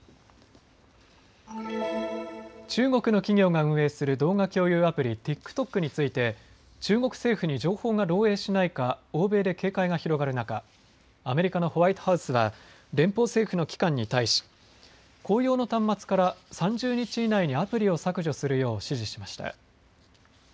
中国の企業が運営する動画共有アプリ、ＴｉｋＴｏｋについて中国政府に情報が漏えいしないか欧米で警戒が広がる中、アメリカのホワイトハウスは連邦政府の機関に対し公用の端末から３０日以内にアプリを削除するよう指示しました。